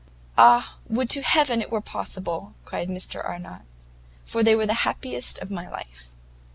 "Ah, would to heaven it were possible!" cried Mr Arnott, "for they were the happiest of my life."